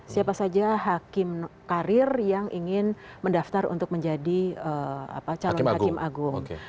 siapa saja hakim karir yang ingin mendaftar untuk menjadi calon hakim agung